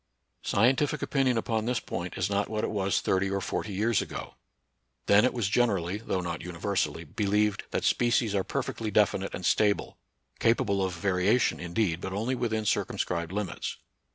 Scientific opinion upon this point is not what it was thirty or forty years ago. Then it was gen erally, though not universally, believed that spe cies are perfectly definite and stable; capable of variation, indeed, but only within circumscribed limits.